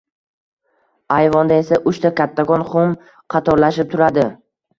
Ayvonda esa uchta kattakon xum qatorlashib turadi.